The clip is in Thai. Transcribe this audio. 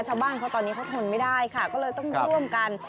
ชาวบ้านเขาตอนนี้เขาทนไม่ได้ค่ะก็เลยต้องร่วมกัน